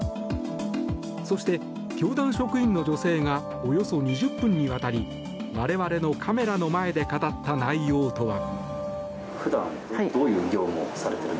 そして教団職員の女性がおよそ２０分にわたり我々のカメラの前で語った内容とは。